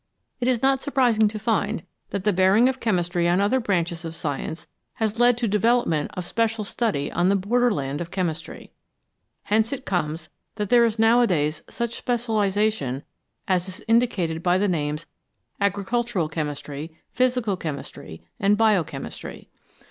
It is not surprising to find that the bearing of chemistry on other branches of science has led to the development of special study on the borderland of chemistry. Hence it comes that there is nowadays such specialisation as is in dicated by the names "Agricultural Chemistry," "Physical Chemistry," and " Biochemistry."